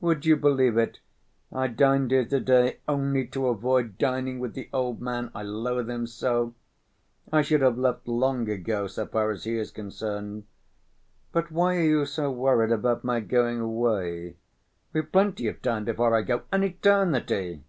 Would you believe it, I dined here to‐day only to avoid dining with the old man, I loathe him so. I should have left long ago, so far as he is concerned. But why are you so worried about my going away? We've plenty of time before I go, an eternity!"